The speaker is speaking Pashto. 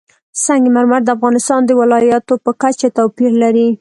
سنگ مرمر د افغانستان د ولایاتو په کچه توپیر لري.